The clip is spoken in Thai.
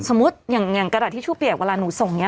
สมมุติอย่างกระดาษที่ชู่เปลี่ยวเวลาหนูส่งนี้